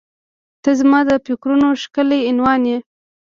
• ته زما د فکرونو ښکلی عنوان یې.